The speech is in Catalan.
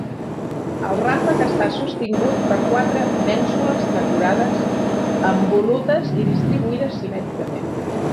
El ràfec està sostingut per quatre mènsules decorades amb volutes i distribuïdes simètricament.